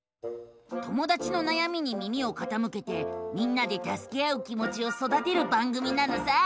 友だちのなやみに耳をかたむけてみんなでたすけ合う気もちをそだてる番組なのさ！